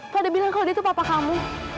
pada bilang kalau dia itu papa kamu